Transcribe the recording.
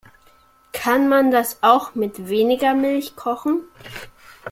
Kann man das auch mit weniger Milch kochen?